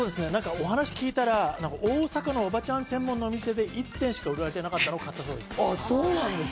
お話を聞いたら、大阪のオバチャン専門のお店で１点しか売られていなかったセーターみたいです。